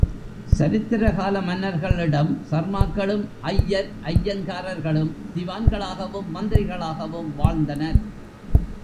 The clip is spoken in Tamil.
சரித்திர கால மன்னர்களிடம் சர்மாக்களும், ஐயர், ஐயங்கார்களும், திவான்களாகவும், மந்திரிகளாகவும் வாழ்ந்தனர்.